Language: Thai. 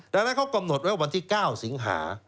ดังนั้นเขากำหนดไว้วันที่๙สิงหา